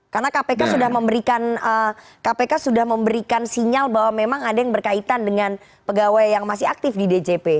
karena kpk sudah memberikan sinyal bahwa memang ada yang berkaitan dengan pegawai yang masih aktif di djp